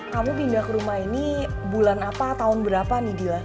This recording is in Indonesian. kamu pindah ke rumah ini bulan apa tahun berapa nih dila